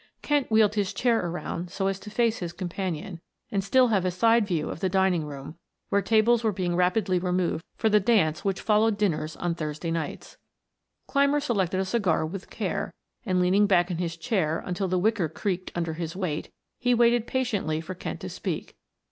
Kent wheeled his chair around so as to face his companion and still have a side view of the dining room, where tables were being rapidly removed for the dance which followed dinners on Thursday nights. Clymer selected a cigar with care and, leaning back in his chair until the wicker creaked under his weight, he waited patiently for Kent to speak.